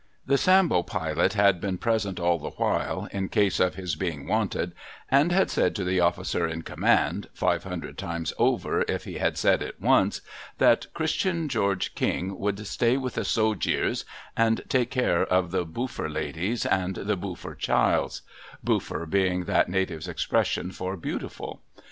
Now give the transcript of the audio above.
The Sambo Pilot had been present all the while, in case of his being wanted, and had said to the officer in command, five hundred times over if he had said it once, that Christian George King would stay with the So Jeers, and take care of the boofter ladies and the booffer childs — boofifer being that native's expression for beautiful.